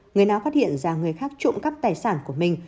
người nào phát hiện ra người khác trộm cắp tài sản của mình